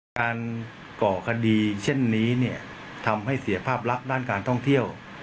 ก่อคดีเช่นนี้เนี่ยทำให้เสียภาพลักษณ์ด้านการท่องเที่ยว